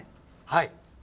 はい。